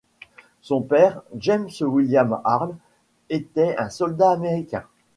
Son père, James William Harle, était un soldat américain.